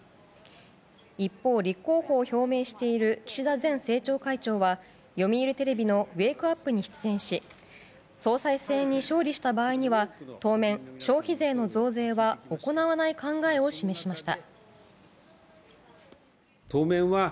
一方、立候補を表明している岸田前政調会長は読売テレビの「ウェークアップ」に出演し総裁選に勝利した場合には当面、消費税の増税は行わない考えを示しました。